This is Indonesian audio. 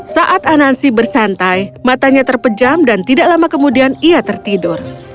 saat anansi bersantai matanya terpejam dan tidak lama kemudian ia tertidur